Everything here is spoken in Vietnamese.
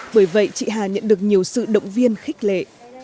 bởi vậy chị hà nhận được nhiều sự động viên khích lệ